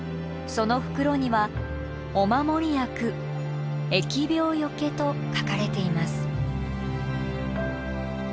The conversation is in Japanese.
その袋には「御守薬疫病除」と書かれています。